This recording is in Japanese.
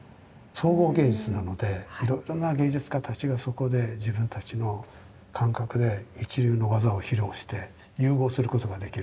総合芸術なのでいろいろな芸術家たちがそこで自分たちの感覚で一流の技を披露して融合することができる。